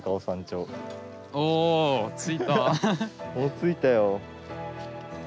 着いたよー。